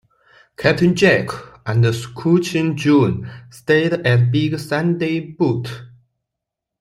Captain Jack and Schonchin John stayed at Big Sandy Butte.